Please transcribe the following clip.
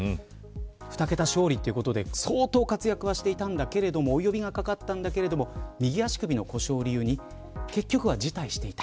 ２桁勝利ということで相当、活躍していたんだけれどもお呼びがかかったんだけれども右足首の故障を理由に結局は辞退していた。